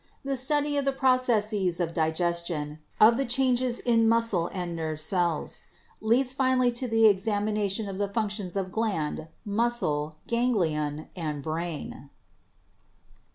The study of the processes of digestion, of the changes in muscle and nerve cells leads finally to the examination of the functions of gland, muscle, ganglion and brain.